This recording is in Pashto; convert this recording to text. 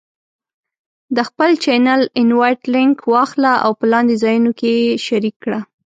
د خپل چینل Invite Link واخله او په لاندې ځایونو کې یې شریک کړه: